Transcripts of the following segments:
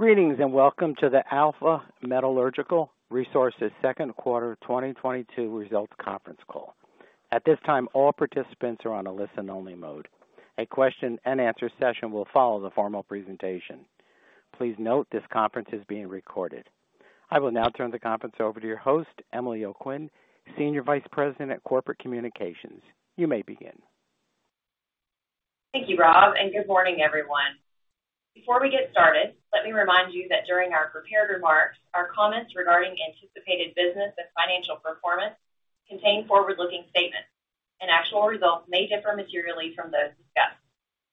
Greetings and welcome to the Alpha Metallurgical Resources Second Quarter 2022 Results conference call. At this time, all participants are on a listen-only mode. A question and answer session will follow the formal presentation. Please note this conference is being recorded. I will now turn the conference over to your host, Emily O'Quinn, Senior Vice President at Corporate Communications. You may begin. Thank you, Rob, and good morning, everyone. Before we get started, let me remind you that during our prepared remarks, our comments regarding anticipated business and financial performance contain forward-looking statements, and actual results may differ materially from those discussed.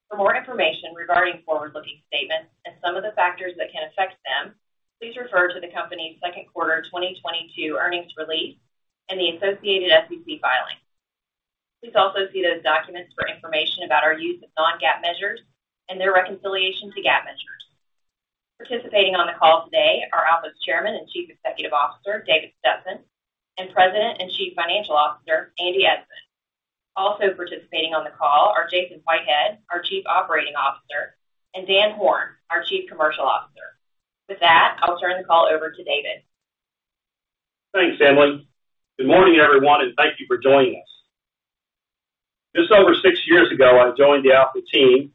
For more information regarding forward-looking statements and some of the factors that can affect them, please refer to the company's second quarter 2022 earnings release and the associated SEC filings. Please also see those documents for information about our use of non-GAAP measures and their reconciliation to GAAP measures. Participating on the call today are Alpha's Chairman and Chief Executive Officer, David Stetson, and President and Chief Financial Officer, Andy Eidson. Also participating on the call are Jason Whitehead, our Chief Operating Officer, and Dan Horne, our Chief Commercial Officer. With that, I'll turn the call over to David. Thanks, Emily. Good morning, everyone, and thank you for joining us. Just over six years ago, I joined the Alpha team.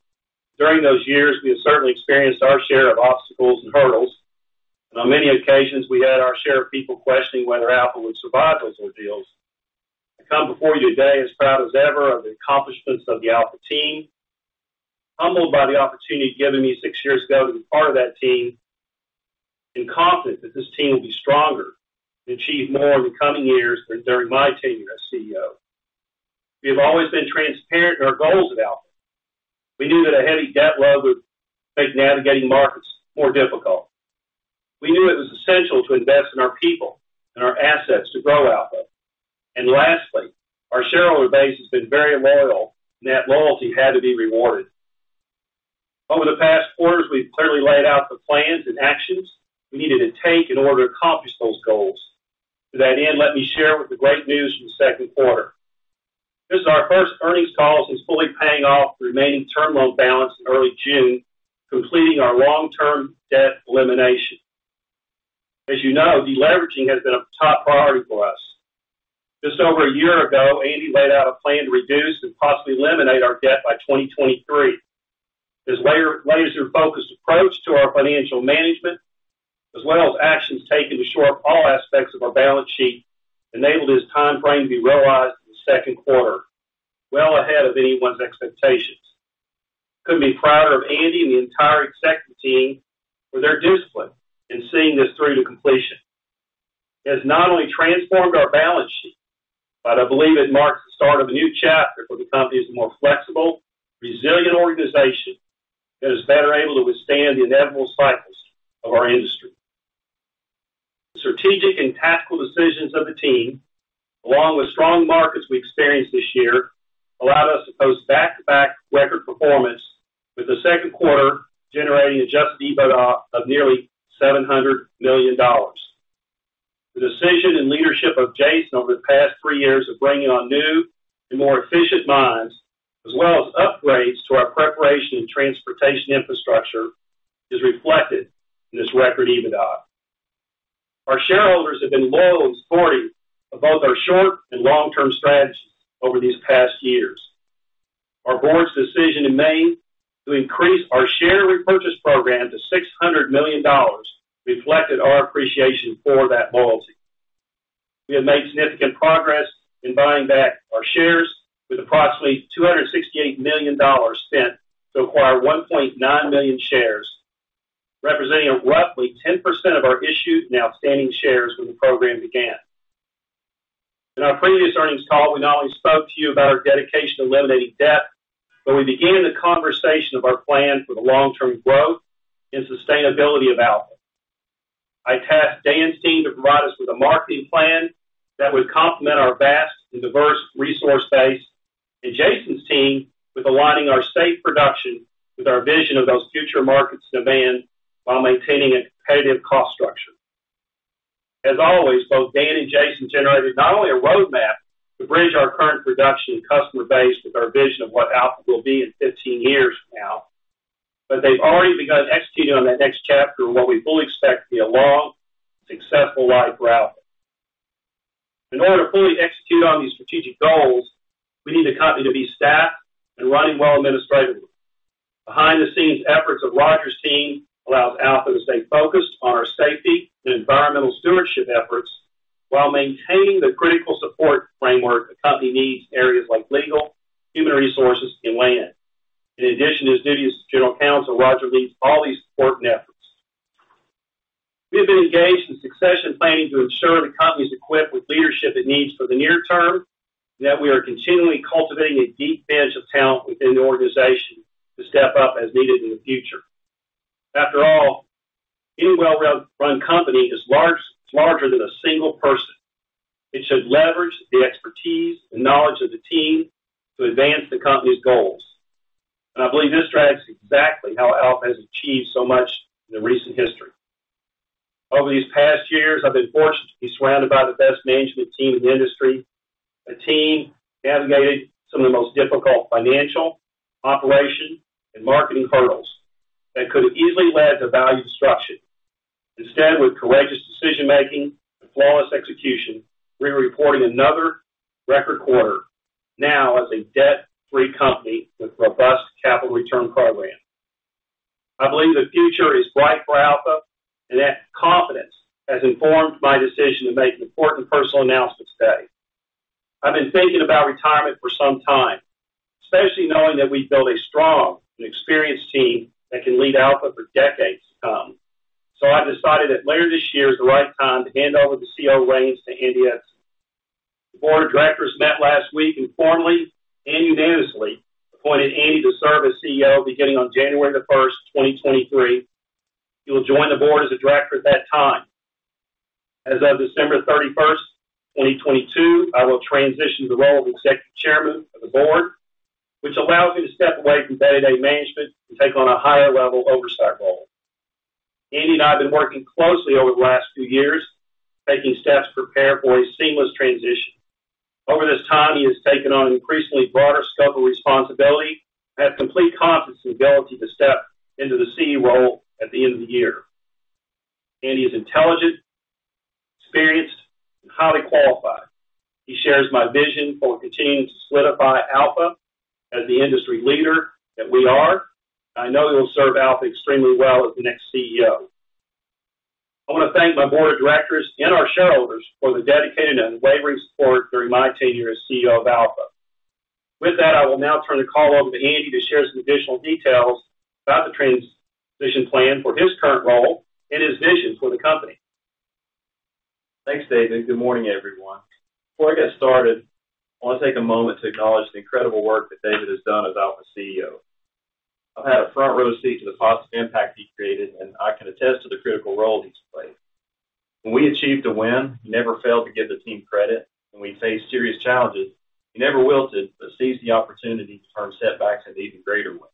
During those years, we have certainly experienced our share of obstacles and hurdles. On many occasions, we had our share of people questioning whether Alpha would survive those ordeals. I come before you today as proud as ever of the accomplishments of the Alpha team, humbled by the opportunity given me six years ago to be part of that team, and confident that this team will be stronger and achieve more in the coming years than during my tenure as CEO. We have always been transparent in our goals at Alpha. We knew that a heavy debt load would make navigating markets more difficult. We knew it was essential to invest in our people and our assets to grow Alpha. Lastly, our shareholder base has been very loyal and that loyalty had to be rewarded. Over the past quarters, we've clearly laid out the plans and actions we needed to take in order to accomplish those goals. To that end, let me share the great news from the second quarter. This is our first earnings call since fully paying off the remaining term loan balance in early June, completing our long-term debt elimination. As you know, deleveraging has been a top priority for us. Just over a year ago, Andy laid out a plan to reduce and possibly eliminate our debt by 2023. His laser-focused approach to our financial management, as well as actions taken to shore up all aspects of our balance sheet, enabled his timeframe to be realized in the second quarter, well ahead of anyone's expectations. I couldn't be prouder of Andy and the entire executive team for their discipline in seeing this through to completion. It has not only transformed our balance sheet, but I believe it marks the start of a new chapter for the company as a more flexible, resilient organization that is better able to withstand the inevitable cycles of our industry. Strategic and tactical decisions of the team, along with strong markets we experienced this year, allowed us to post back-to-back record performance, with the second quarter generating adjusted EBITDA of nearly $700 million. The decision and leadership of Jason over the past three years of bringing on new and more efficient mines, as well as upgrades to our preparation and transportation infrastructure, is reflected in this record EBITDA. Our shareholders have been loyal and supportive of both our short and long-term strategies over these past years. Our board's decision in May to increase our share repurchase program to $600 million reflected our appreciation for that loyalty. We have made significant progress in buying back our shares with approximately $268 million spent to acquire 1.9 million shares representing roughly 10% of our issued and outstanding shares when the program began. In our previous earnings call, we not only spoke to you about our dedication to eliminating debt, but we began the conversation of our plan for the long-term growth and sustainability of Alpha. I tasked Dan's team to provide us with a marketing plan that would complement our vast and diverse resource base and Jason's team with aligning our safe production with our vision of those future markets demand while maintaining a competitive cost structure. As always, both Dan and Jason generated not only a roadmap to bridge our current production and customer base with our vision of what Alpha will be in 15 years from now, but they've already begun executing on that next chapter what we fully expect to be a long, successful life route. In order to fully execute on these strategic goals, we need the company to be staffed and running well administratively. Behind the scenes efforts of Roger's team allows Alpha to stay focused on our safety and environmental stewardship efforts while maintaining the critical support framework the company needs areas like legal, human resources, and land. In addition to his duties as General Counsel, Roger leads all these support networks. We have been engaged in succession planning to ensure the company is equipped with leadership it needs for the near term and that we are continually cultivating a deep bench of talent within the organization to step up as needed in the future. After all, any well-run company is larger than a single person. It should leverage the expertise and knowledge of the team to advance the company's goals. I believe this tracks exactly how Alpha has achieved so much in the recent history. Over these past years, I've been fortunate to be surrounded by the best management team in the industry. A team navigated some of the most difficult financial, operation, and marketing hurdles that could have easily led to value destruction. Instead, with courageous decision-making and flawless execution, we are reporting another record quarter now as a debt-free company with robust capital return program. I believe the future is bright for Alpha and that confidence has informed my decision to make an important personal announcement today. I've been thinking about retirement for some time especially knowing that we've built a strong and experienced team that can lead Alpha for decades to come. I decided that later this year is the right time to hand over the CEO reins to Andy Eidson. The Board of Directors met last week and formally and unanimously appointed Andy Eidson to serve as CEO beginning on January 1st, 2023. He will join the Board as a Director at that time. As of December 31st, 2022, I will transition to the role of Executive Chairman of the Board, which allows me to step away from day-to-day management and take on a higher level oversight role. Andy and I have been working closely over the last few years, taking steps to prepare for a seamless transition. Over this time, he has taken on an increasingly broader scope of responsibility and I have complete confidence in his ability to step into the CEO role at the end of the year. Andy is intelligent, experienced, and highly qualified. He shares my vision for continuing to solidify Alpha as the industry leader that we are and I know he will serve Alpha extremely well as the next CEO. I want to thank my Board of Directors and our shareholders for the dedicated and unwavering support during my tenure as CEO of Alpha. With that, I will now turn the call over to Andy to share some additional details about the transition plan for his current role and his vision for the company. Thanks, David, and good morning, everyone. Before I get started, I want to take a moment to acknowledge the incredible work that David has done as Alpha's CEO. I've had a front row seat to the positive impact he created and I can attest to the critical role he's played. When we achieved a win, he never failed to give the team credit. When we faced serious challenges, he never wilted, but seized the opportunity to turn setbacks into even greater wins.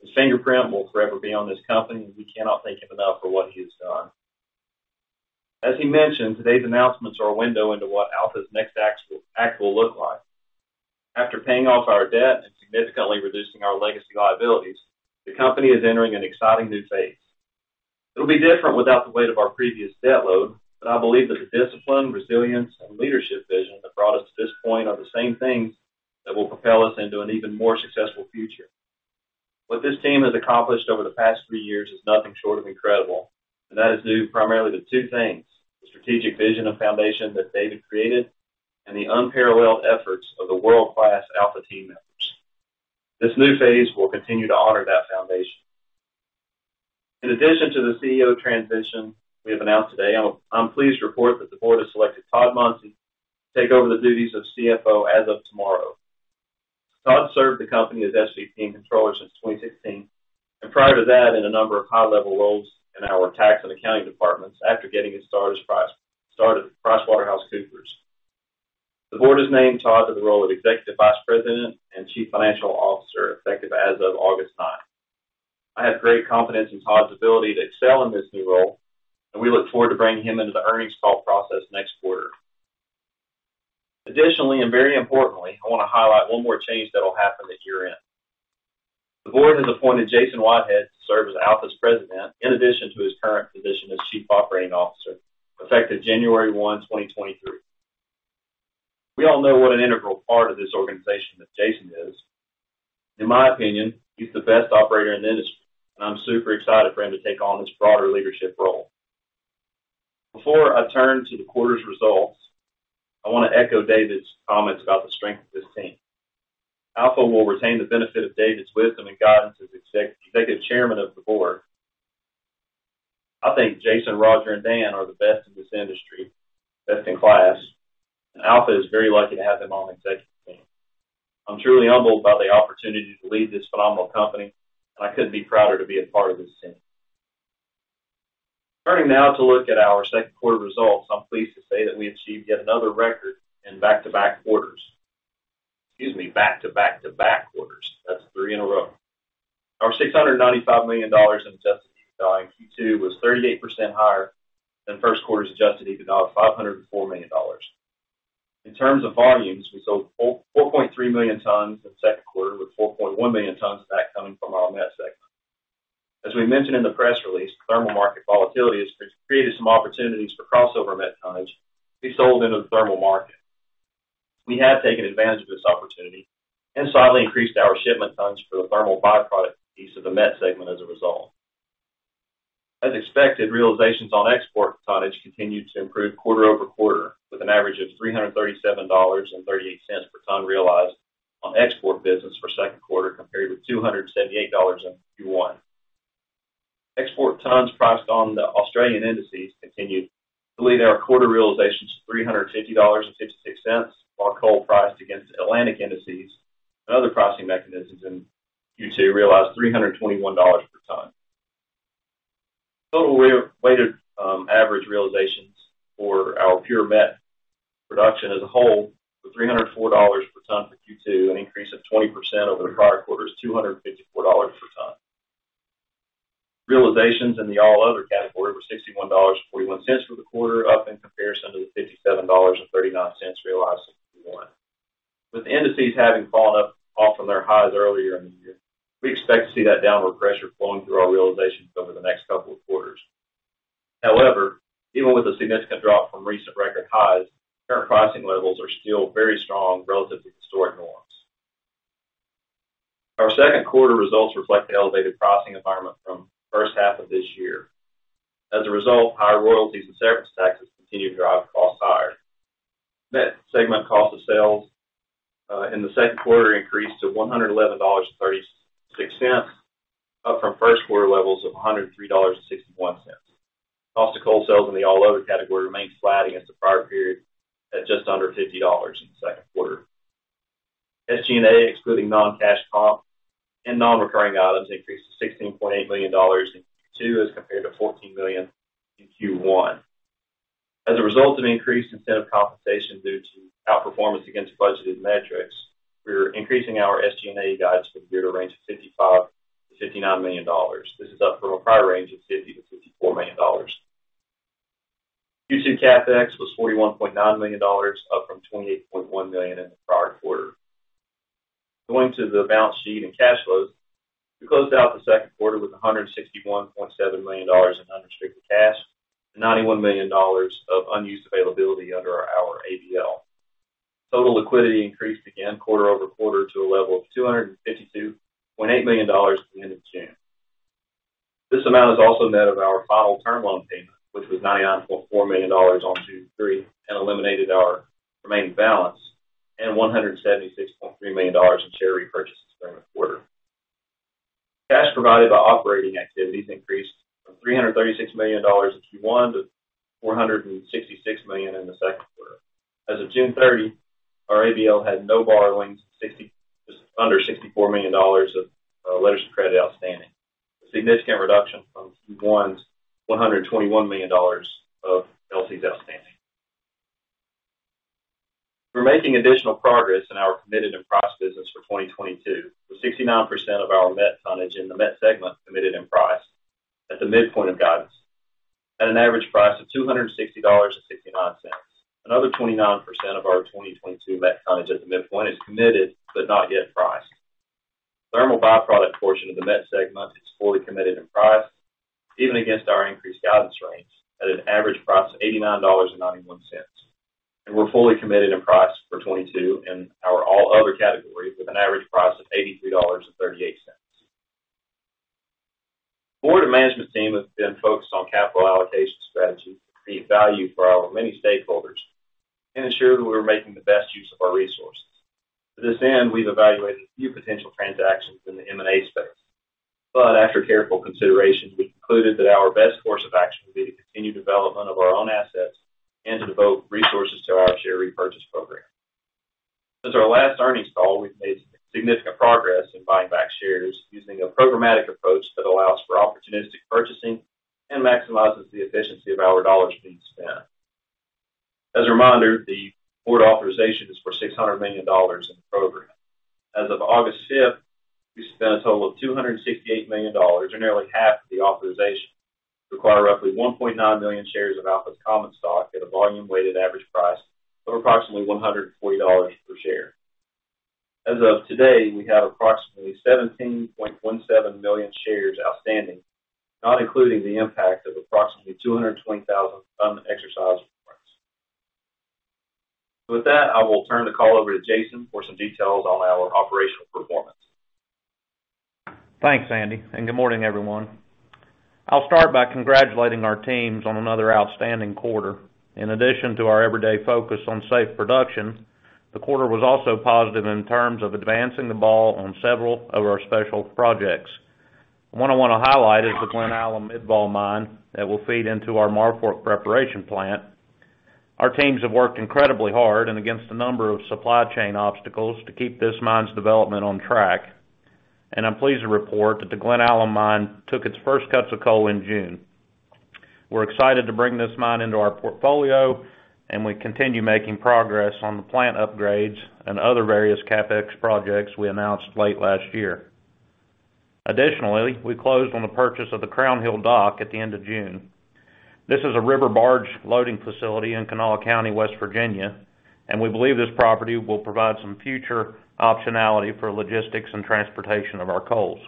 His fingerprint will forever be on this company and we cannot thank him enough for what he has done. As he mentioned, today's announcements are a window into what Alpha's next act will look like. After paying off our debt and significantly reducing our legacy liabilities, the company is entering an exciting new phase. It'll be different without the weight of our previous debt load but I believe that the discipline, resilience, and leadership vision that brought us to this point are the same things that will propel us into an even more successful future. What this team has accomplished over the past three years is nothing short of incredible, and that is due primarily to two things, the strategic vision and foundation that David created and the unparalleled efforts of the world-class Alpha team members. This new phase will continue to honor that foundation. In addition to the CEO transition we have announced today, I'm pleased to report that the Board has selected Todd Munsey to take over the duties of CFO as of tomorrow. Todd served the company as SVP and Controller since 2016, and prior to that in a number of high-level roles in our tax and accounting departments after getting his start at PricewaterhouseCoopers. The Board has named Todd to the role of Executive Vice President and Chief Financial Officer effective as of August 9. I have great confidence in Todd's ability to excel in this new role and we look forward to bringing him into the earnings call process next quarter. Additionally, and very importantly, I want to highlight one more change that'll happen at year-end. The Board has appointed Jason Whitehead to serve as Alpha's President in addition to his current position as Chief Operating Officer effective January 1, 2023. We all know what an integral part of this organization that Jason is. In my opinion, he's the best operator in the industry, and I'm super excited for him to take on this broader leadership role. Before I turn to the quarter's results, I want to echo David's comments about the strength of this team. Alpha will retain the benefit of David's wisdom and guidance as Executive Chairman of the Board. I think Jason, Roger, and Dan are the best in this industry, best in class, and Alpha is very lucky to have them on the executive team. I'm truly humbled by the opportunity to lead this phenomenal company and I couldn't be prouder to be a part of this team. Turning now to look at our second quarter results, I'm pleased to say that we achieved yet another record in back-to-back quarters. Excuse me, back-to-back-to-back quarters. That's three in a row. Our $695 million in adjusted EBITDA in Q2 was 38% higher than first quarter's adjusted EBITDA of $504 million. In terms of volumes, we sold 4.3 million tons in the second quarter with 4.1 million tons of that coming from our met segment. As we mentioned in the press release, thermal market volatility has created some opportunities for crossover met tonnage to be sold into the thermal market. We have taken advantage of this opportunity and slightly increased our shipment tons for the thermal byproduct piece of the met segment as a result. As expected, realizations on export tonnage continued to improve quarter-over-quarter with an average of $337.38 per ton realized on export business for second quarter compared with $278 in Q1. Export tons priced on the Australian indices continued to lead our quarter realizations to $350.66 while coal priced against Atlantic indices and other pricing mechanisms in Q2 realized $321 per ton. Total weighted average realizations for our pure met production as a whole was $304 per ton for Q2, an increase of 20% over the prior quarter's $254 per ton. Realizations in the all other category were $61.41 for the quarter, up in comparison to the $57.39 realized in Q1. With the indices having fallen off from their highs earlier in the year, we expect to see that downward pressure flowing through our realizations over the next couple of quarters. However, even with a significant drop from recent record highs, current pricing levels are still very strong relative to historic norms. Our second quarter results reflect the elevated pricing environment from the first half of this year. As a result, higher royalties and service taxes continue to drive costs higher. Net segment cost of sales in the second quarter increased to $111.36, up from first quarter levels of $103.61. Cost of coal sales in the all other category remains flat against the prior period at just under $50 in the second quarter. SG&A excluding non-cash comp and non-recurring items increased to $16.8 million in Q2 as compared to $14 million in Q1. As a result of increased incentive compensation due to outperformance against budgeted metrics, we're increasing our SG&A guidance for the year to a range of $55 million to $59 million. This is up from a prior range of $50 million to $54 million. Q2 CapEx was $41.9 million, up from $28.1 million in the prior quarter. Going to the balance sheet and cash flows, we closed out the second quarter with $161.7 million in unrestricted cash and $91 million of unused availability under our ABL. Total liquidity increased again quarter-over-quarter to a level of $252.8 million at the end of June. This amount is also net of our final term loan payment, which was $99.4 million on June 3 and eliminated our remaining balance and $176.3 million in share repurchases during the quarter. Cash provided by operating activities increased from $336 million in Q1 to $466 million in the second quarter. As of June 30, our ABL had no borrowings, just under $64 million of letters of credit outstanding, a significant reduction from Q1's $121 million of LCs outstanding. We're making additional progress in our committed and priced business for 2022 with 69% of our met tonnage in the met segment committed and priced at the midpoint of guidance at an average price of $260.69. Another 29% of our 2022 met tonnage at the midpoint is committed but not yet priced. Thermal byproduct portion of the met segment is fully committed and priced even against our increased guidance range at an average price of $89.91. We're fully committed and priced for 2022 in our all other category with an average price of $83.38. The Board and management team have been focused on capital allocation strategy to create value for our many stakeholders and ensure that we're making the best use of our resources. To this end, we've evaluated a few potential transactions in the M&A space. After careful consideration, we concluded that our best course of action would be to continue development of our own assets and to devote resources to our share repurchase program. Since our last earnings call, we've made significant progress in buying back shares using a programmatic approach that allows for opportunistic purchasing and maximizes the efficiency of our dollars being spent. As a reminder, the Board authorization is for $600 million in the program. As of August 5th, we spent a total of $268 million or nearly half of the authorization, require roughly 1.9 million shares of Alpha's common stock at a volume-weighted average price of approximately $140 per share. As of today, we have approximately 17.17 million shares outstanding, not including the impact of approximately 220,000 unexercised warrants. With that, I will turn the call over to Jason for some details on our operational performance. Thanks, Andy, and good morning, everyone. I'll start by congratulating our teams on another outstanding quarter. In addition to our everyday focus on safe production, the quarter was also positive in terms of advancing the ball on several of our special projects. The one I want to highlight is the Glen Alum Mid-Vol Mine that will feed into our Marfork preparation plant. Our teams have worked incredibly hard and against a number of supply chain obstacles to keep this mine's development on track. I'm pleased to report that the Glen Alum mine took its first cuts of coal in June. We're excited to bring this mine into our portfolio, and we continue making progress on the plant upgrades and other various CapEx projects we announced late last year. Additionally, we closed on the purchase of the Crown Hill Dock at the end of June. This is a river barge loading facility in Kanawha County, West Virginia, and we believe this property will provide some future optionality for logistics and transportation of our coals.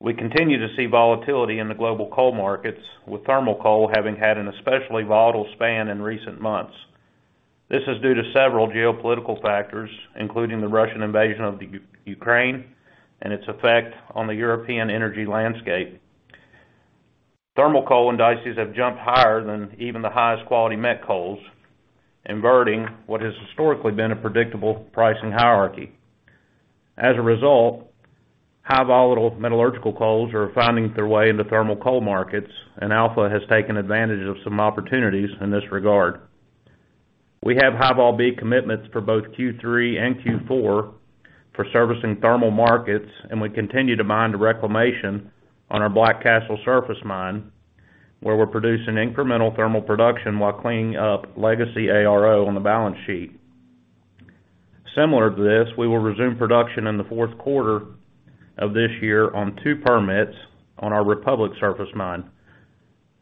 We continue to see volatility in the global coal markets with thermal coal having had an especially volatile span in recent months. This is due to several geopolitical factors, including the Russian invasion of Ukraine, and its effect on the European energy landscape. Thermal coal indices have jumped higher than even the highest quality met coals, inverting what has historically been a predictable pricing hierarchy. As a result, high volatile metallurgical coals are finding their way into thermal coal markets, and Alpha has taken advantage of some opportunities in this regard. We have High-Vol B commitments for both Q3 and Q4 for servicing thermal markets, and we continue to mine the reclamation on our Black Castle surface mine, where we're producing incremental thermal production while cleaning up legacy ARO on the balance sheet. Similar to this, we will resume production in the fourth quarter of this year on two permits on our Republic surface mine.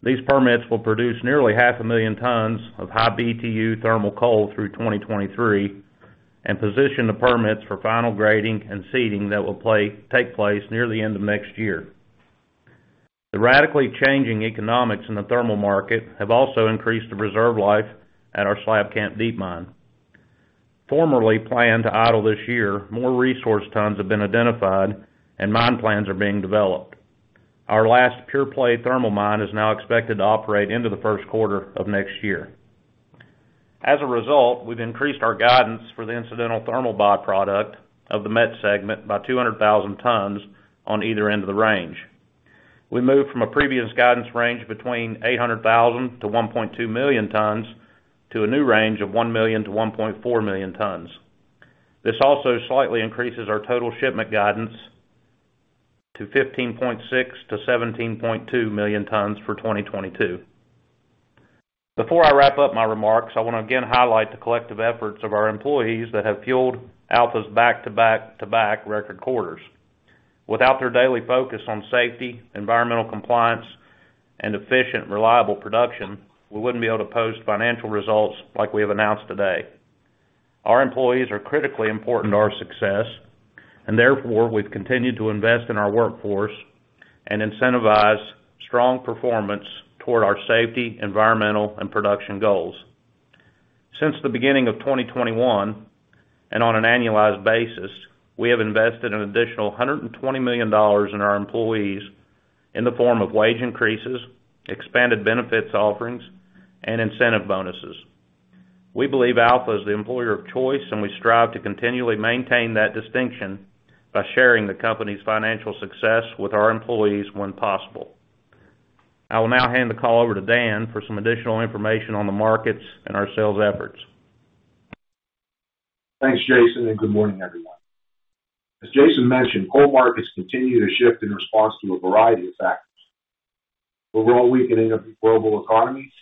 These permits will produce nearly 500,000 tons of high BTU thermal coal through 2023 and position the permits for final grading and seeding that will take place near the end of next year. The radically changing economics in the thermal market have also increased the reserve life at our Slabcamp deep mine. Formerly planned to idle this year, more resource tons have been identified and mine plans are being developed. Our last pure play thermal mine is now expected to operate into the first quarter of next year. As a result, we've increased our guidance for the incidental thermal by-product of the met segment by 200,000 tons on either end of the range. We moved from a previous guidance range between 800,000 tons to 1.2 million tons to a new range of 1 million tons to 1.4 million tons. This also slightly increases our total shipment guidance to 15.6 million tons to 17.2 million tons for 2022. Before I wrap up my remarks, I want to again highlight the collective efforts of our employees that have fueled Alpha's back-to-back-to-back record quarters. Without their daily focus on safety, environmental compliance, and efficient, reliable production, we wouldn't be able to post financial results like we have announced today. Our employees are critically important to our success and therefore, we've continued to invest in our workforce and incentivize strong performance toward our safety, environmental, and production goals. Since the beginning of 2021, and on an annualized basis, we have invested an additional $120 million in our employees in the form of wage increases, expanded benefits offerings, and incentive bonuses. We believe Alpha is the employer of choice and we strive to continually maintain that distinction by sharing the company's financial success with our employees when possible. I will now hand the call over to Dan for some additional information on the markets and our sales efforts. Thanks, Jason, and good morning, everyone. As Jason mentioned, coal markets continue to shift in response to a variety of factors. The overall weakening of the global economy,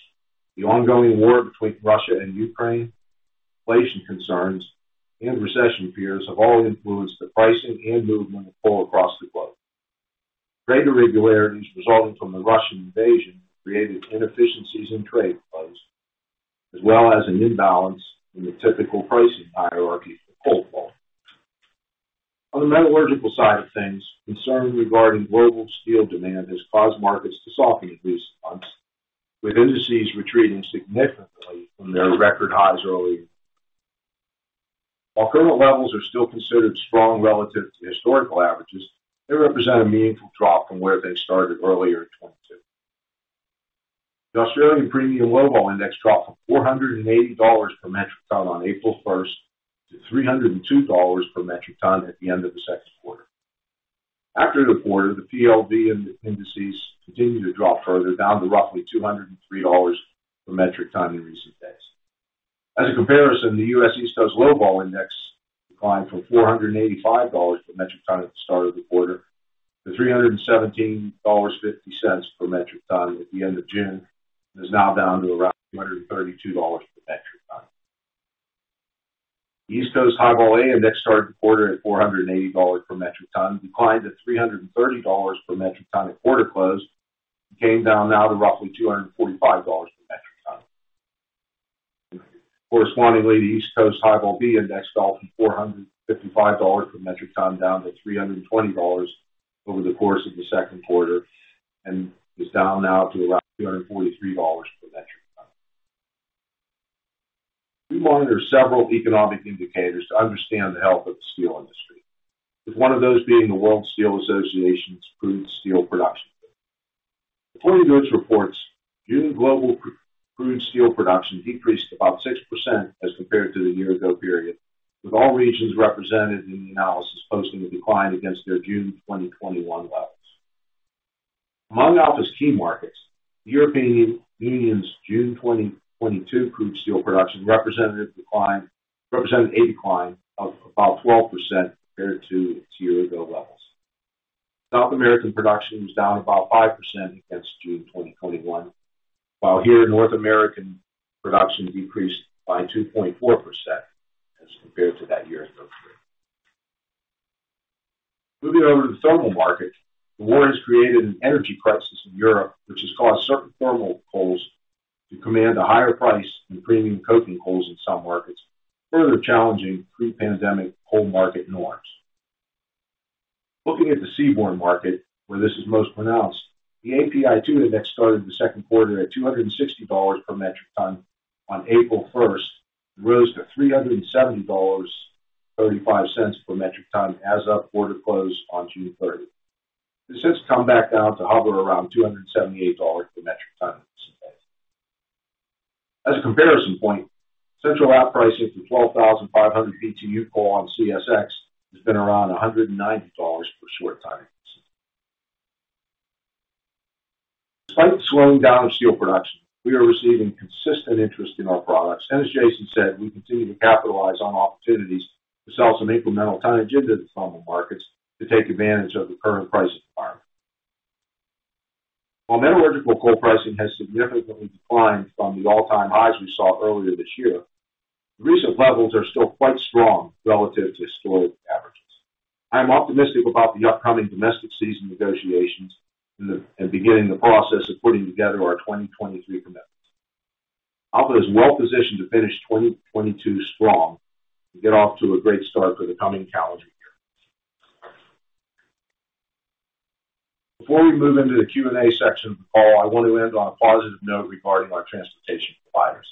the ongoing war between Russia and Ukraine, inflation concerns, and recession fears have all influenced the pricing and movement of coal across the globe. Trade irregularities resulting from the Russian invasion created inefficiencies in trade flows, as well as an imbalance in the typical pricing hierarchy for coal. On the metallurgical side of things, concern regarding global steel demand has caused markets to soften in recent months, with indices retreating significantly from their record highs early. While current levels are still considered strong relative to historical averages, they represent a meaningful drop from where they started earlier in 2022. The Australian Premium Low Vol index dropped from $480 per metric ton on April 1st to $302 per metric ton at the end of the second quarter. After the quarter, the PLV indices continued to drop further, down to roughly $203 per metric ton in recent days. As a comparison, the U.S. East Coast Low Vol index declined from $485 per metric ton at the start of the quarter to $317.50 per metric ton at the end of June, and is now down to around $232 per metric ton. East Coast High-Vol A Index started the quarter at $480 per metric ton, declined to $330 per metric ton at quarter close, and came down now to roughly $245 per metric ton. Correspondingly, the East Coast High-Vol B Index fell from $455 per metric ton down to $320 over the course of the second quarter and is down now to around $243 per metric ton. We monitor several economic indicators to understand the health of the steel industry with one of those being the World Steel Association's crude steel production. According to its reports, June global crude steel production decreased about 6% as compared to the year ago period with all regions represented in the analysis posting a decline against their June 2021 levels. Among Alpha's key markets, the European Union's June 2022 crude steel production represented a decline of about 12% compared to its year ago levels. South American production was down about 5% against June 2021. While here in North American production decreased by 2.4% as compared to that year ago period. Moving over to the thermal market, the war has created an energy crisis in Europe, which has caused certain thermal coals to command a higher price than premium coking coals in some markets, further challenging pre-pandemic coal market norms. Looking at the seaborne market where this is most pronounced, the API2 index started the second quarter at $260 per metric ton on April 1st, and rose to $307.35 per metric ton as of quarter close on June 30. This has come back down to hover around $278 per metric ton as of today. As a comparison point, Central Appalachian pricing for 12,500 BTU coal on CSX has been around $190 per short ton. Slowing down steel production, we are receiving consistent interest in our products, and as Jason said, we continue to capitalize on opportunities to sell some incremental tonnage into the thermal markets to take advantage of the current price environment. While metallurgical coal pricing has significantly declined from the all-time highs we saw earlier this year, the recent levels are still quite strong relative to historic averages. I am optimistic about the upcoming domestic season negotiations and beginning the process of putting together our 2023 commitments. Alpha is well positioned to finish 2022 strong and get off to a great start for the coming calendar year. Before we move into the Q&A section of the call, I want to end on a positive note regarding our transportation providers.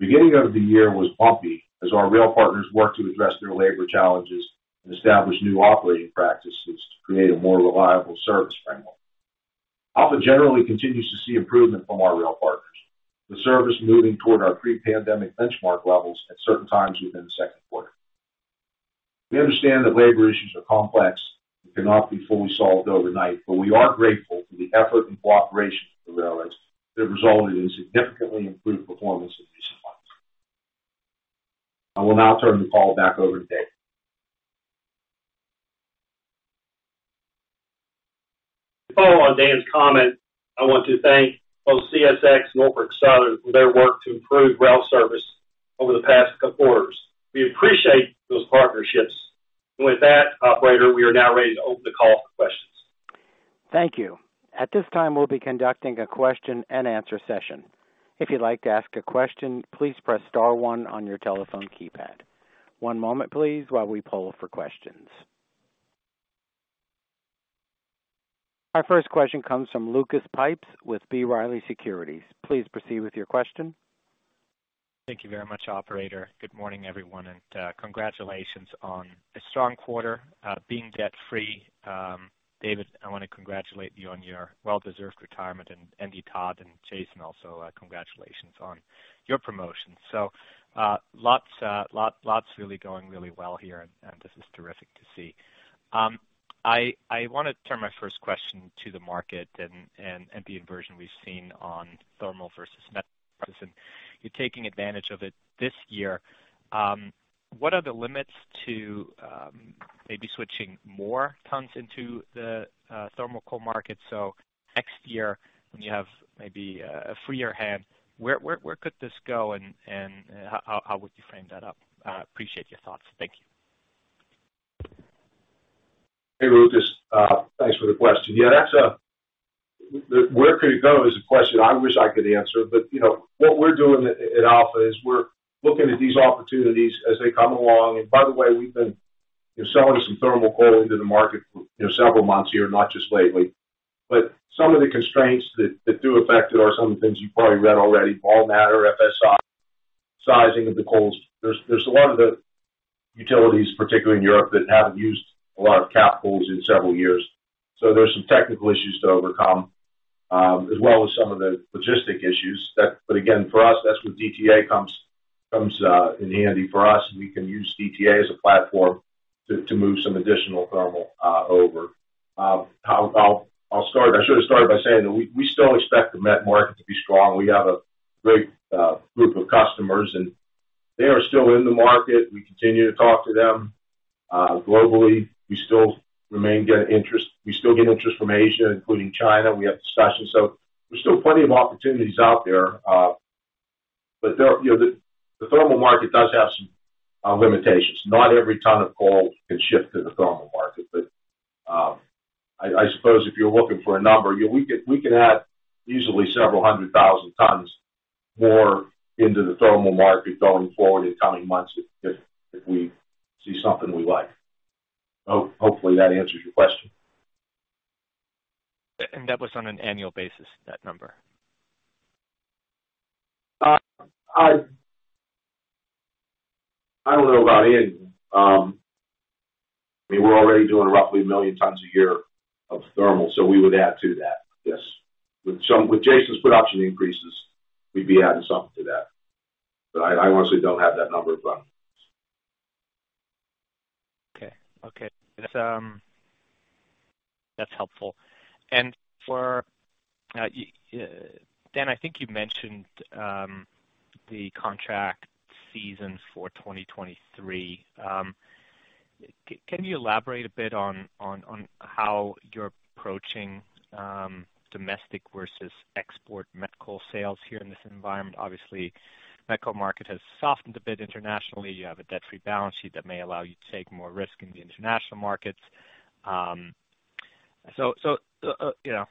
Beginning of the year was bumpy as our rail partners worked to address their labor challenges and establish new operating practices to create a more reliable service framework. Alpha generally continues to see improvement from our rail partners. The service moving toward our pre-pandemic benchmark levels at certain times within the second quarter. We understand that labor issues are complex and cannot be fully solved overnight, but we are grateful for the effort and cooperation of the railroads that resulted in significantly improved performance in recent months. I will now turn the call back over to David. To follow on Dan's comment, I want to thank both CSX and Norfolk Southern for their work to improve rail service over the past couple quarters. We appreciate those partnerships, and with that, operator, we are now ready to open the call for questions. Thank you. At this time, we'll be conducting a question and answer session. If you'd like to ask a question, please press star one on your telephone keypad. One moment, please, while we poll for questions. Our first question comes from Lucas Pipes with B. Riley Securities. Please proceed with your question. Thank you very much, operator. Good morning, everyone, and congratulations on a strong quarter, being debt free. David, I want to congratulate you on your well-deserved retirement. Andy, Todd, and Jason also, congratulations on your promotion, lots really going really well here, and this is terrific to see. I want to turn my first question to the market and the inversion we've seen on thermal versus met prices and you're taking advantage of it this year. What are the limits to maybe switching more tons into the thermal coal market? Next year when you have maybe a freer hand, where could this go and how would you frame that up? Appreciate your thoughts. Thank you. Hey, Lucas. Thanks for the question. Yeah, where could it go is a question I wish I could answer. What we're doing at Alpha is we're looking at these opportunities as they come along. By the way, we've been, you know, selling some thermal coal into the market for, you know, several months here, not just lately. Some of the constraints that do affect it are some of the things you've probably read already, volatile matter, FSI, sizing of the coals. There's a lot of the utilities, particularly in Europe, that haven't used a lot of coking coal in several years. There's some technical issues to overcome, as well as some of the logistic issues, but again, for us, that's where DTA comes in handy for us, and we can use DTA as a platform to move some additional thermal over. I should have started by saying that we still expect the met market to be strong. We have a great group of customers, they are still in the market, and we continue to talk to them. Globally, we still get interest from Asia, including China. We have discussions, so there's still plenty of opportunities out there. There, you know, the thermal market does have some limitations. Not every ton of coal can ship to the thermal market. I suppose if you're looking for a number, you know, we can add easily several hundred thousand tons more into the thermal market going forward in coming months if we see something we like. Hopefully that answers your question. That was on an annual basis, that number? I don't know about annual. I mean, we're already doing roughly 1 million tons a year of thermal, so we would add to that. Yes. With Jason's production increases, we'd be adding something to that. I honestly don't have that number in front of me. Okay. Okay. That's helpful. For Dan, I think you mentioned the contract season for 2023. Can you elaborate a bit on how you're approaching domestic versus export met coal sales here in this environment? Obviously, met coal market has softened a bit internationally. You have a debt-free balance sheet that may allow you to take more risk in the international markets. So, you know,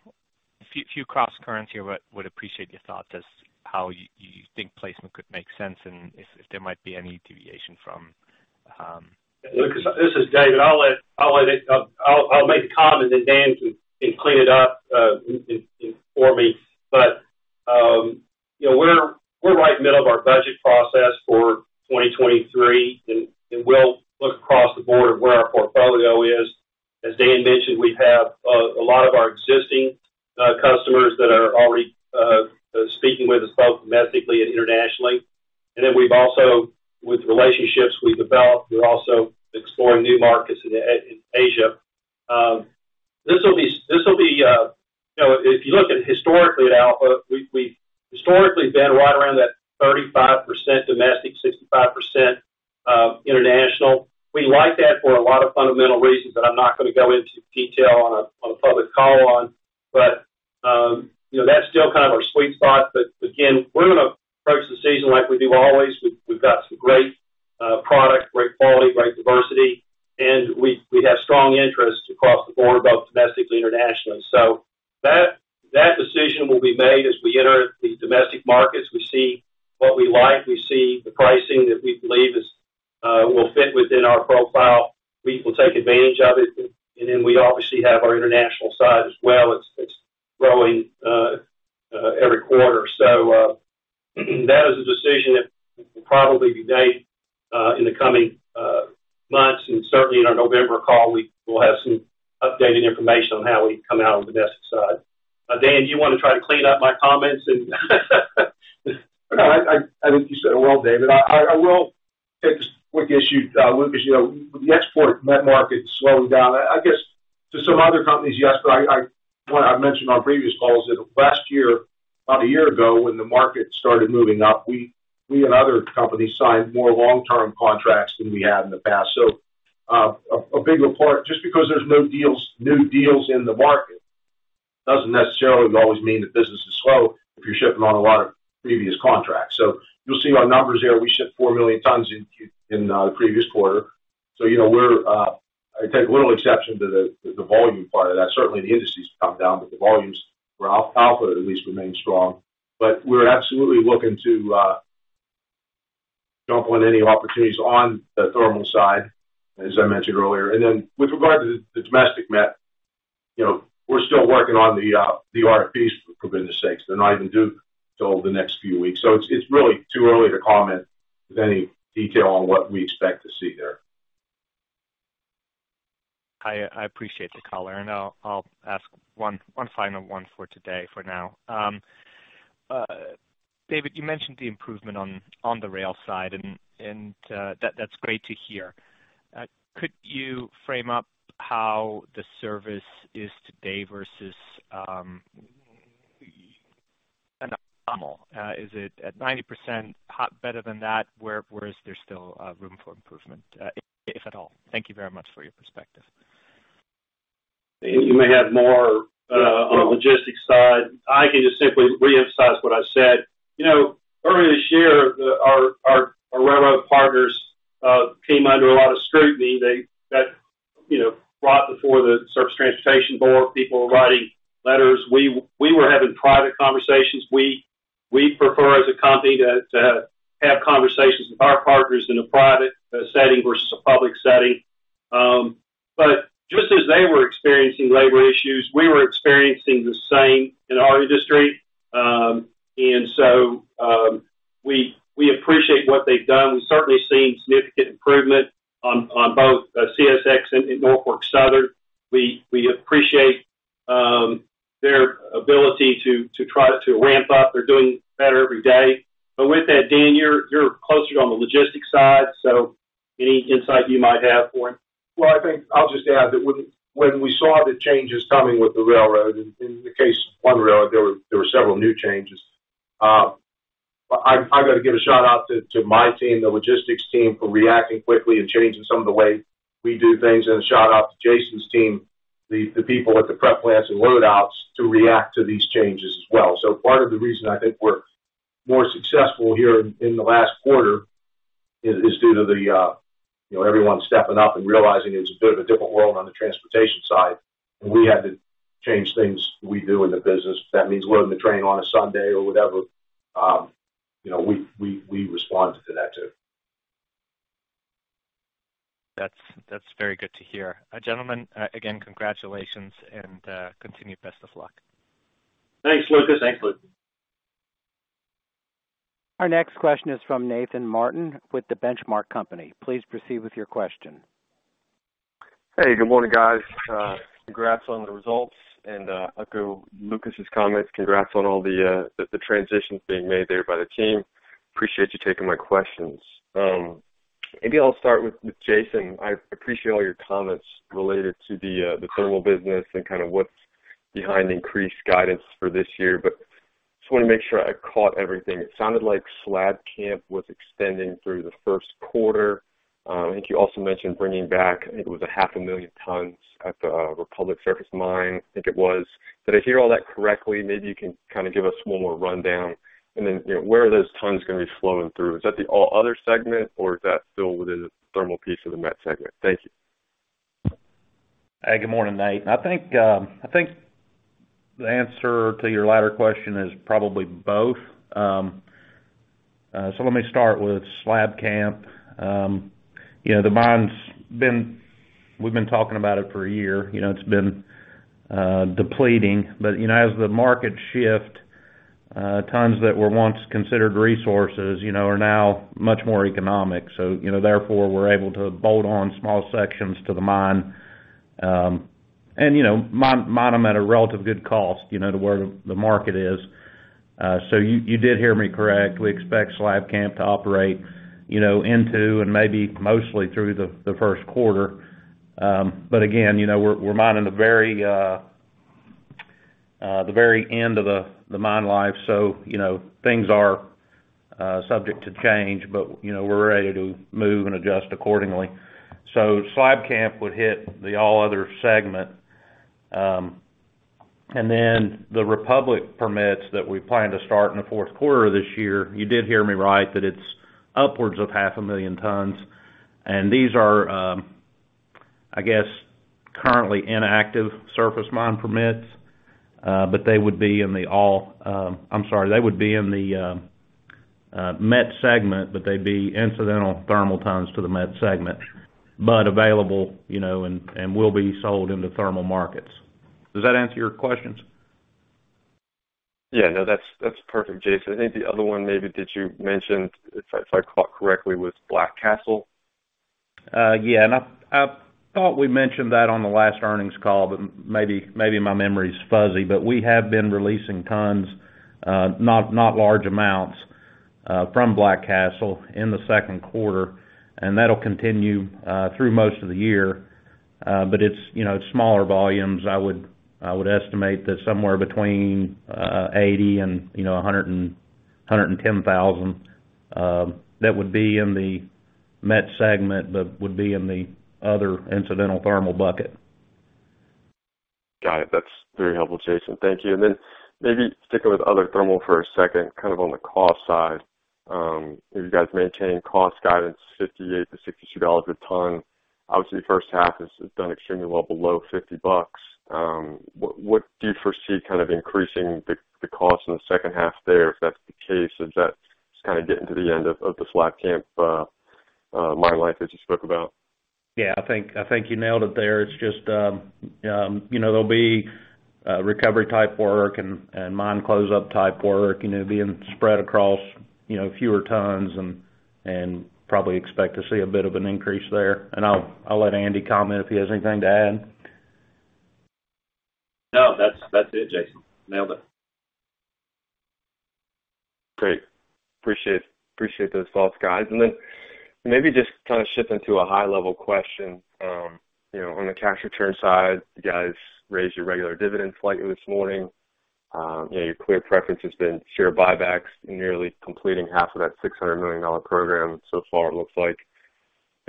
a few cross currents here. I would appreciate your thoughts as to how you think placement could make sense and if there might be any deviation from. Lucas, this is David. I'll make a comment and then Dan can clean it up for me. We're right in the middle of our budget process for 2023 and we'll look across the board at where our portfolio is. As Dan mentioned, we have a lot of our existing customers that are already speaking with us both domestically and internationally. Then we've also, with relationships we've developed, we're also exploring new markets in Asia. This will be, you know, if you look historically at Alpha, we've historically been right around that 35% domestic, 65% international. We like that for a lot of fundamental reasons that I'm not going to go into detail on a public call on. That's still kind of our sweet spot. Again, we're going to approach the season like we do always. We've got some great products, great quality, great diversity, and we have strong interest across the board, both domestically and internationally. That decision will be made as we enter the domestic markets. We see what we like. We see the pricing that we believe is, will fit within our profile. We'll take advantage of it and then we obviously have our international side as well. It's growing every quarter. That is a decision that will probably be made in the coming months and, certainly, in our November call, we will have some updated information on how we come out on the domestic side. Dan, do you want to try to clean up my comments? No, I think you said it well, David. I will take this quick issue, Lucas. With the export met market slowing down to some other companies, yes. But I mentioned on previous calls that last year, about a year ago, when the market started moving up, we and other companies signed more long-term contracts than we had in the past. So, a bigger part, just because there's no new deals in the market doesn't necessarily always mean that business is slow if you're shipping on a lot of previous contracts. So you'll see our numbers there. We shipped 4 million tons in the previous quarter. So, you know, I take little exception to the volume part of that. Certainly the industry's come down but the volumes for Alpha at least remain strong. We're absolutely looking to jump on any opportunities on the thermal side, as I mentioned earlier. With regard to the domestic met, you know, we're still working on the RFPs for goodness sakes. They're not even due until the next few weeks. It's really too early to comment with any detail on what we expect to see there. I appreciate the color and I'll ask one final one for today for now. David, you mentioned the improvement on the rail side and that's great to hear. Could you frame up how the service is today versus a normal? Is it at 90%? Better than that, where is there still room for improvement, if at all? Thank you very much for your perspective. You may have more on the logistics side. I can just simply reemphasize what I said. Earlier this year, our railroad partners came under a lot of scrutiny. They got, you know, brought before the Surface Transportation Board, people writing letters. We were having private conversations. We prefer as a company to have conversations with our partners in a private setting versus a public setting but just as they were experiencing labor issues, we were experiencing the same in our industry. We appreciate what they've done. We've certainly seen significant improvement on both CSX and Norfolk Southern. We appreciate their ability to try to ramp up. They're doing better every day. With that, Dan, you're closer on the logistics side, so any insight you might have for him? Well, I think I'll just add that when we saw the changes coming with the railroad in the case of one railroad, there were several new changes. I got to give a shout-out to my team, the logistics team for reacting quickly and changing some of the way we do things, and a shout-out to Jason's team, the people at the prep plants and load outs to react to these changes as well. Part of the reason I think we're more successful here in the last quarter is due to the, you know, everyone stepping up and realizing it's a bit of a different world on the transportation side. We had to change things we do in the business. If that means loading the train on a Sunday or whatever, you know, we responded to that too. That's very good to hear. Gentlemen, again, congratulations, and continued best of luck. Thanks, Lucas. Thanks, Lucas. Our next question is from Nathan Martin with The Benchmark Company. Please proceed with your question. Hey, good morning, guys. Congrats on the results and echo Lucas's comments. Congrats on all the transitions being made there by the team. Appreciate you taking my questions. Maybe I'll start with Jason. I appreciate all your comments related to the thermal business and kind of what's behind increased guidance for this year. I just want to make sure I caught everything. It sounded like Slabcamp was extending through the first quarter. I think you also mentioned bringing back 500,000 tons at the Republic Surface Mine, I think it was. Did I hear all that correctly? Maybe you can kind of give us more of a rundown. Then, you know, where are those tons going to be flowing through? Is that the all other segment, or is that still within the thermal piece of the met segment? Thank you. Hey, good morning, Nate. I think the answer to your latter question is probably both. Let me start with Slabcamp. The mine's been, we've been talking about it for a year, you know, it's been depleting. As the market shift, tons that were once considered resources, you know, are now much more economic. Therefore, we're able to bolt on small sections to the mine and, you know, mine them at a relatively good cost, you know, to where the market is. You did hear me correct. We expect Slabcamp to operate, you know, into and maybe mostly through the first quarter. Again, you know, we're mining the very end of the mine life. Things are subject to change, but you know, we're ready to move and adjust accordingly. Slabcamp would hit the all other segment. Then the Republic permits that we plan to start in the fourth quarter this year, you did hear me right that it's upwards of 500,000 tons. These are currently inactive surface mine permits. They would be in the met segment, but they'd be incidental thermal tons to the met segment, but available, you know, and will be sold into thermal markets. Does that answer your questions? Yeah. No, that's perfect, Jason. I think the other one maybe that you mentioned, if I caught correctly, was Black Castle. Yeah, I thought we mentioned that on the last earnings call, but maybe my memory is fuzzy. We have been releasing tons, not large amounts, from Black Castle in the second quarter, and that'll continue through most of the year. But it's, you know, smaller volumes. I would estimate that somewhere between 80,000 and, you know, 110,000, that would be in the met segment, but would be in the other incidental thermal bucket. Got it. That's very helpful, Jason. Thank you. Maybe sticking with other thermal for a second, kind of on the cost side. You guys maintain cost guidance $58 to $62 a ton. Obviously, first half has done extremely well below $50. What do you foresee kind of increasing the cost in the second half there, if that's the case? Is that just kind of getting to the end of the Slabcamp mine life that you spoke about? Yeah, I think you nailed it there. It's just, you know, there'll be recovery type work and mine close up type work, you know, being spread across, you know, fewer tons and probably expect to see a bit of an increase there. I'll let Andy comment if he has anything to add. No, that's it, Jason. Nailed it. Great. Appreciate those thoughts, guys. Maybe just kind of shift into a high level question. On the cash return side, you guys raised your regular dividends slightly this morning. You know, your clear preference has been share buybacks, nearly completing half of that $600 million program so far it looks like.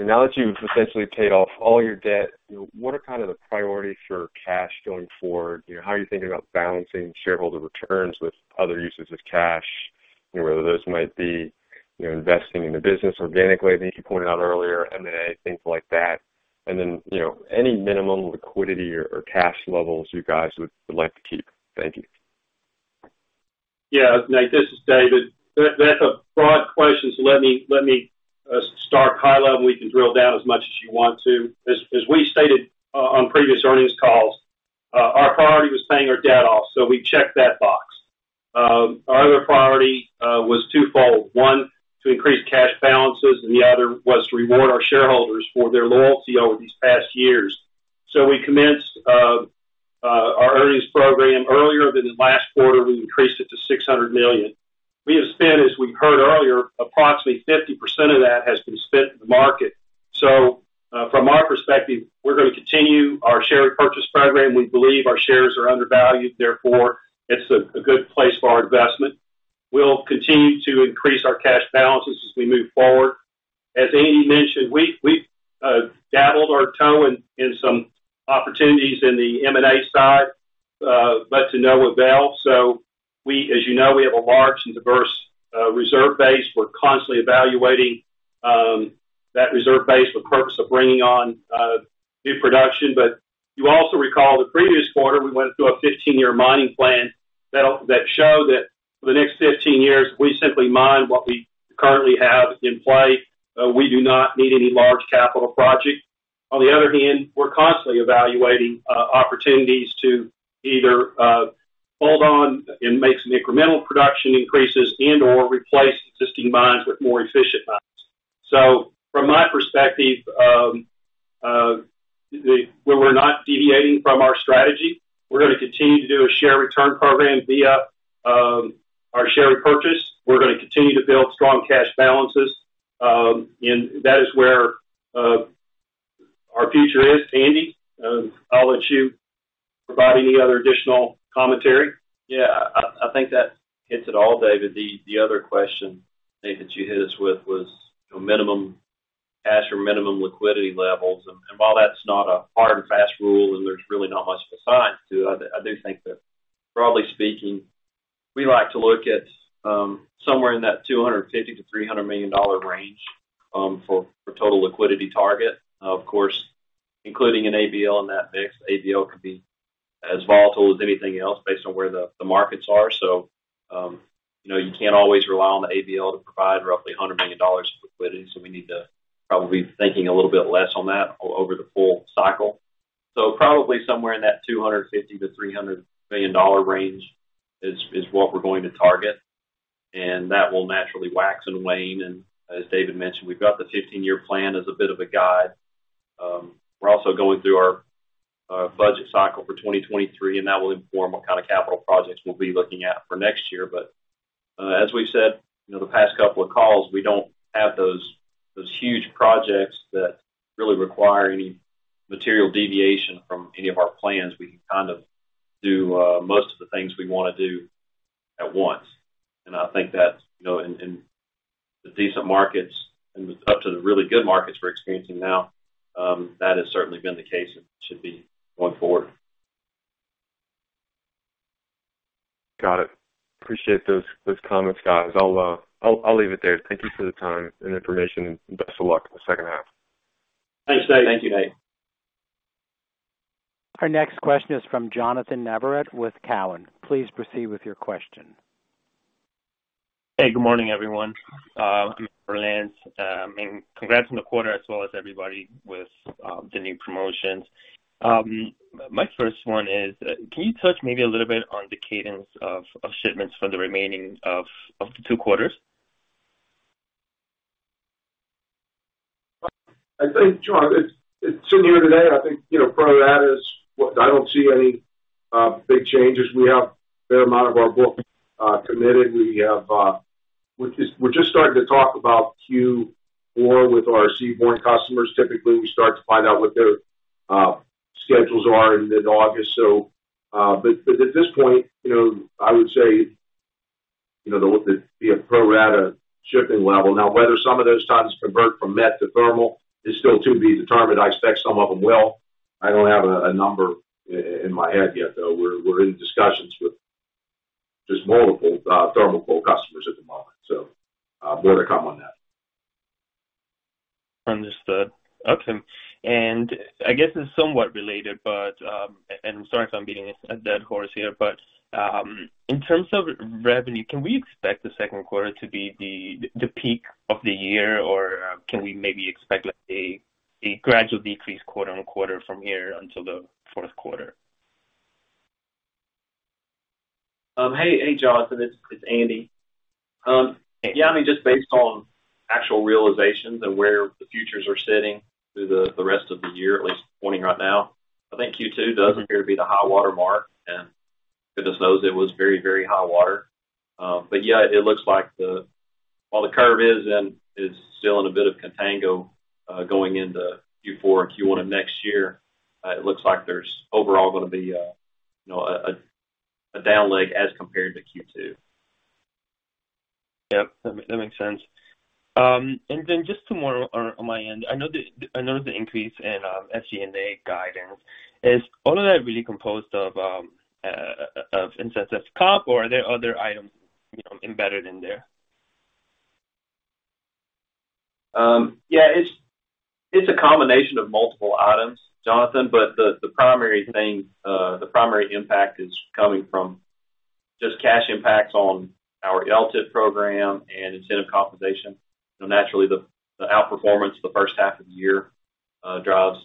Now that you've essentially paid off all your debt, you know, what are kind of the priorities for cash going forward? How are you thinking about balancing shareholder returns with other uses of cash whether those might be, you know, investing in the business organically? I think you pointed out earlier, M&A, and things like that. Any minimum liquidity or cash levels you guys would like to keep? Thank you. Yeah. Nate, this is David. That's a broad question, so let me start high level and we can drill down as much as you want to. As we stated on previous earnings calls, our priority was paying our debt off, so we checked that box. Our other priority was twofold. One, to increase cash balances, and the other was to reward our shareholders for their loyalty over these past years. We commenced our repurchase program earlier than last quarter. We've increased it to $600 million. We have spent, as we heard earlier, approximately 50% of that has been spent in the market. From our perspective, we're going to continue our share repurchase program, and we believe our shares are undervalued, therefore it's a good place for our investment. We'll continue to increase our cash balances as we move forward. As Andy mentioned, we dabbled our toe in some opportunities in the M&A side, but to no avail. As you know, we have a large and diverse reserve base. We're constantly evaluating that reserve base for the purpose of bringing on new production. But you also recall the previous quarter, we went through a 15-year mining plan that shows that for the next 15 years, we simply mine what we currently have in play. We do not need any large capital project. On the other hand, we're constantly evaluating opportunities to either hold on and make some incremental production increases and/or replace existing mines with more efficient mines. From my perspective, we're not deviating from our strategy. We're going to continue to do a share return program via our share repurchase. We're going to continue to build strong cash balances and that is where our future is. Andy, I'll let you provide any other additional commentary. Yeah. I think that hits it all, David. The other question, Nate, that you hit us with was minimum cash or minimum liquidity levels. While that's not a hard and fast rule, and there's really not much of a science to it, I do think that broadly speaking, we like to look at somewhere in that $250 million to $300 million range for total liquidity target. Of course, including an ABL in that mix. ABL could be as volatile as anything else based on where the markets are. You can't always rely on the ABL to provide roughly $100 million of liquidity, so we need to probably be thinking a little bit less on that over the full cycle. Probably somewhere in that $250 million to $300 million range is what we're going to target. That will naturally wax and wane. As David mentioned, we've got the 15-year plan as a bit of a guide. We're also going through our budget cycle for 2023 and that will inform what kind of capital projects we'll be looking at for next year. As we've said, you know, the past couple of calls, we don't have those huge projects that really require any material deviation from any of our plans. We can kind of do most of the things we want to do at once. I think that's, you know, in the decent markets and up to the really good markets we're experiencing now, that has certainly been the case and should be going forward. Got it. Appreciate those comments, guys. I'll leave it there. Thank you for the time, and information, and best of luck in the second half. Thanks, Nate. Thank you, Nate. Our next question is from Jonathan Navarrete with Cowen. Please proceed with your question. Hey, good morning, everyone. It's Jonathan. Congrats on the quarter as well as everybody with the new promotions. My first one is, can you touch maybe a little bit on the cadence of shipments for the remaining of the two quarters? I think, Jonathan, it's similar today. I think, you know, pro rata is what I don't see any big changes. We have a fair amount of our book committed. We're just starting to talk about Q4 with our seaborne customers. Typically, we start to find out what their schedules are in mid-August. At this point, you know, I would say, you know, there'll be a pro rata shipping level. Now, whether some of those tons convert from met to thermal is still to be determined. I expect some of them will. I don't have a number in my head yet, though. We're in discussions with just multiple thermal coal customers at the moment so more to come on that. Understood. Okay. It's somewhat related, but, and I'm sorry if I'm beating a dead horse here, but, in terms of revenue, can we expect the second quarter to be the peak of the year or can we maybe expect like a gradual decrease quarter on quarter from here until the fourth quarter? Hey, Jonathan, it's Andy. Yeah, I mean, just based on actual realizations and where the futures are sitting through the rest of the year or at least pointing right now, I think Q2 does appear to be the high water mark. Goodness knows it was very, very high water. Yeah, it looks like, while the curve is still in a bit of Contango, going into Q4 or Q1 of next year, it looks like there's overall going to be a, you know, a down leg as compared to Q2. Yep, that makes sense. Just two more on my end. I know the increase in SG&A guidance. Is all of that really composed of incentive comp or are there other items, you know, embedded in there? Yeah, it's a combination of multiple items, Jonathan. The primary impact is coming from just cash impacts on our LTIP program and incentive compensation. Naturally, the outperformance of the first half of the year drives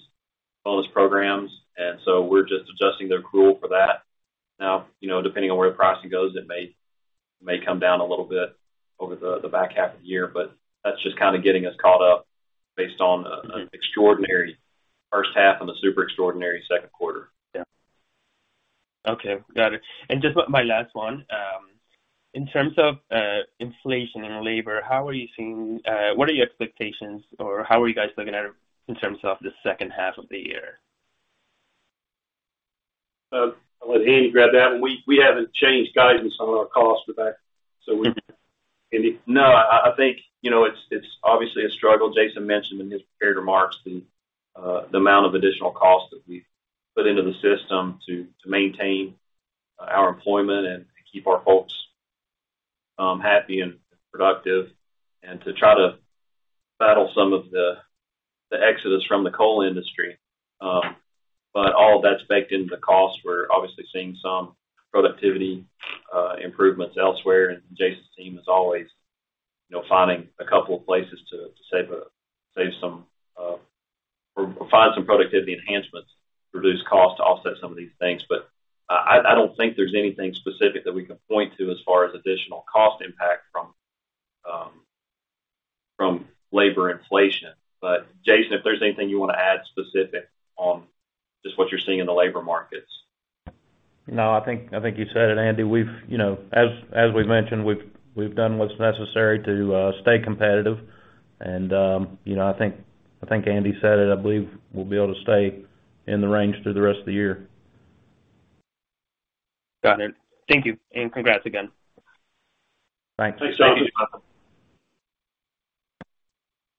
bonus programs. We're just adjusting their accrual for that. Now, you know, depending on where the pricing goes, it may come down a little bit over the back half of the year, but that's just kind of getting us caught up based on an extraordinary first half and a super extraordinary second quarter, yeah. Okay. Got it. Just my last one. In terms of inflation and labor, how are you seeing, what are your expectations or how are you guys looking at it in terms of the second half of the year? I'll let Andy grab that one. We haven't changed guidance on our costs with that. No, I think, you know, it's obviously a struggle. Jason mentioned in his prepared remarks and the amount of additional costs that we've put into the system to maintain our employment and keep our folks happy and productive, and to try to battle some of the exodus from the coal industry but all of that's baked into the cost. We're obviously seeing some productivity improvements elsewhere. Jason's team is always, you know, finding a couple of places to save some or find some productivity enhancements to reduce costs to offset some of these things. I don't think there's anything specific that we can point to as far as additional cost impact from labor inflation. Jason, if there's anything you want to add specific on just what you're seeing in the labor markets. No, I think you said it, Andy. You know, as we've mentioned, we've done what's necessary to stay competitive. I think Andy said it. I believe we'll be able to stay in the range through the rest of the year. Got it. Thank you and congrats again. Thanks. Thanks, Jonathan.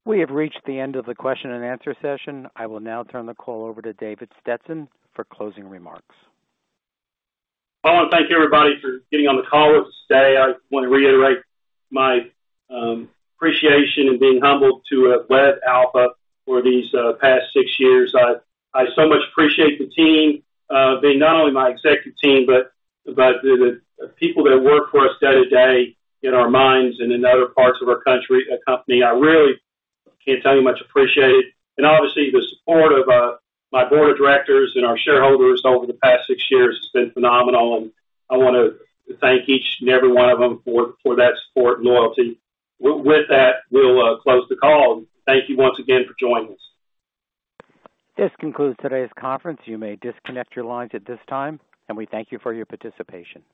We have reached the end of the question and answer session. I will now turn the call over to David Stetson for closing remarks. I want to thank everybody for getting on the call with us today. I want to reiterate my appreciation and being humbled to have led Alpha for these past six years. I so much appreciate the team being not only my executive team, but the people that work for us day to day in our mines and in other parts of our company. I really can't tell you how much I appreciate it. Obviously, the support of my Board of Directors and our shareholders over the past six years has been phenomenal. I want to thank each and every one of them for that support and loyalty. With that, we'll close the call. Thank you once again for joining us. This concludes today's conference. You may disconnect your lines at this time and we thank you for your participation.